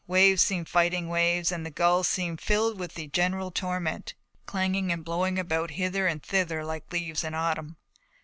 Waves seemed fighting waves and the gulls seemed filled with the general torment, clanging and blowing about hither and thither like leaves in autumn.